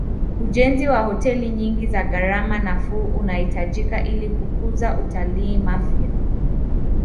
ujenzi wa hoteli nyingi za gharama nafuu unahitajika ili kukuza utalii mafia